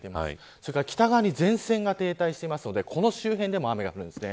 それから北側に前線が停滞しているのでこの周辺でも雨が降るんです。